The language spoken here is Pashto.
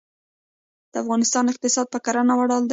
د افغانستان اقتصاد په کرنه ولاړ دی.